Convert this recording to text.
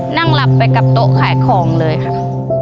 นั่งหลับไปกับโต๊ะขายของเลยค่ะ